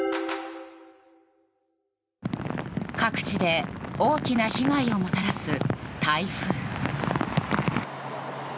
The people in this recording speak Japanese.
各地で大きな被害をもたらす台風。